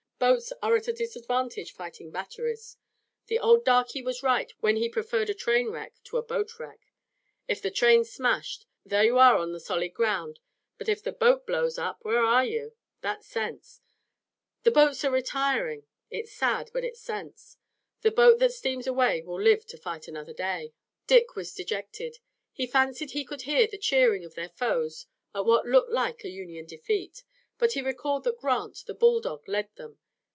"Boats are at a disadvantage fighting batteries. The old darky was right when he preferred a train wreck to a boat wreck, 'ef the train's smashed, thar you are on the solid ground, but ef the boat blows up, whar is you?' That's sense. The boats are retiring! It's sad, but it's sense. A boat that steams away will live to fight another day." Dick was dejected. He fancied he could hear the cheering of their foes at what looked like a Union defeat, but he recalled that Grant, the bulldog, led them.